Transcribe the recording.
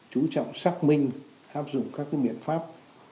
chú trọng xác minh áp dụng các biện áp